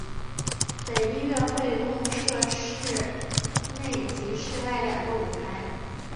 本音乐会共设室内及室外两个舞台。